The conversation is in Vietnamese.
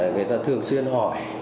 người ta thường xuyên hỏi